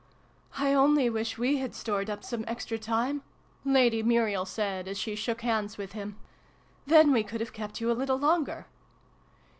" I only wish we had stored up some extra time !" Lady Muriel said, as she shook hands with him. " Then we could have kept you a little longer